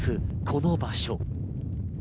この場所。